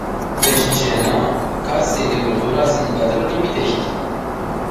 Pe scena Casei de Cultură a Sindicatelor din Pitești.